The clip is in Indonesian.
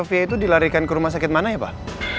fia itu dilarikan ke rumah sakit mana ya pak